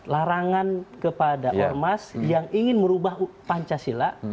larangan kepada ormas yang ingin merubah pancasila